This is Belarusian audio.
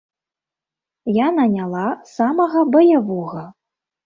Я наняла самага баявога.